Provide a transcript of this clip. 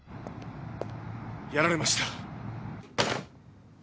やられました！